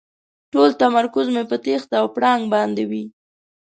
ټول تمرکز مو په تېښته او پړانګ باندې وي.